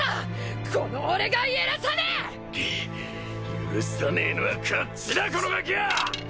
許さねえのはこっちだこのガキ！